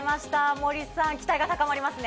森さん期待が高まりますね。